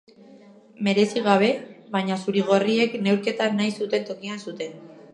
Merezi gabe, baina zuri-gorriek neurketa nahi zuten tokian zuten.